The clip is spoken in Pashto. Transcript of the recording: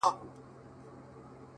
• نن پښتون پر ویښېدو دی,